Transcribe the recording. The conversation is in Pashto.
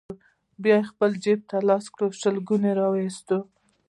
بيا يې خپل جيب ته لاس کړ، شلګون يې راوايست: